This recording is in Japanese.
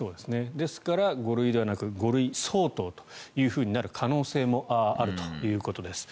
ですから、５類ではなく５類相当というふうになる可能性もあるということです。